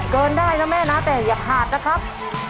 ได้นะแม่นะแต่อย่าขาดนะครับ